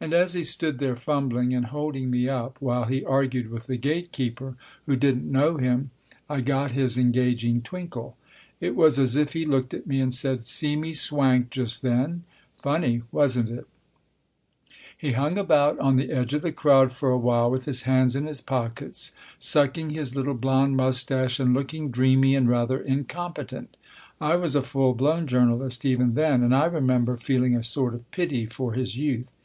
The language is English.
And as he stood there fumbling, and holding me up while he argued with the gate keeper, who didn't know him, I got his engaging twinkle. It was as if he looked at me and said, " See me swank just then ? Funny, wasn't it ?" He hung about on the edge of the crowd for a while with his hands in his pockets, sucking his little blond moustache and looking dreamy and rather incompetent. I was a full blown journalist even then, and I remember feeling a sort of pity for his youth.